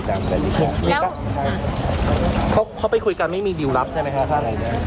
จะมาไหนด้วย